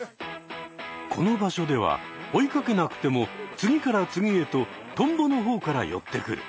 この場所では追いかけなくても次から次へとトンボの方から寄ってくる。